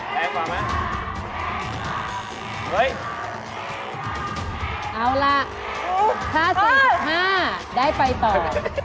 เฟคจะให้ตัวท้ายกับพี่เอ๋ก่อน